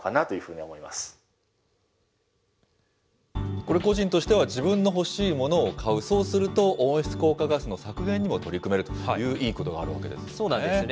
これ、個人としては自分の欲しいものを買う、そうすると温室効果ガスの削減にも取り組めるといういいことがあそうなんですよね。